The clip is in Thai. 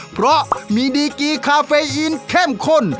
เพราะมีดีกีคาเฟอีนเข้มข้น